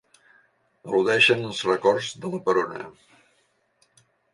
Eludeixen els records de la Perona.